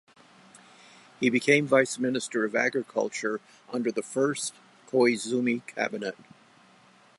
He became Vice Minister of Agriculture under the first Koizumi cabinet.